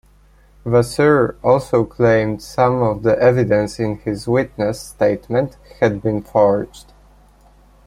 Vasseur also claimed some of the evidence in his witness statement had been forged.